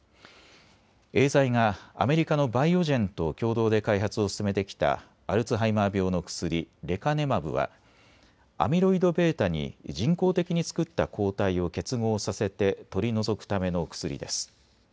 エーザイがアメリカのバイオジェンと共同で開発を進めてきたアルツハイマー病の薬、レカネマブはアミロイドβに人工的に作った抗体を結合させて取り除くための薬です。